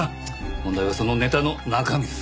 問題はそのネタの中身ですけどね。